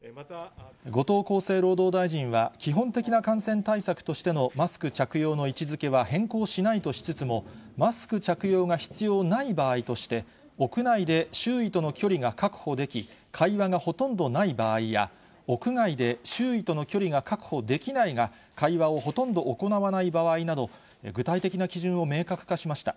後藤厚生労働大臣は、基本的な感染対策としてのマスク着用の位置づけは変更しないとしつつも、マスク着用が必要ない場合として、屋内で周囲との距離が確保でき、会話がほとんどない場合や、屋外で周囲との距離が確保できないが、会話をほとんど行わない場合など、具体的な基準を明確化しました。